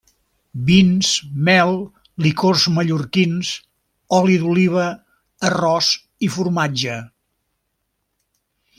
Vins, mel, licors mallorquins, oli d'oliva, arròs i formatge.